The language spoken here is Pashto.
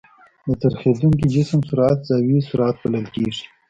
د څرخېدونکي جسم سرعت زاويي سرعت بلل کېږي.